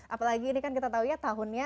apalagi ini kan kita tahu ya tahunnya